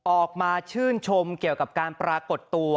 ออกมาชื่นชมเกี่ยวกับการปรากฏตัว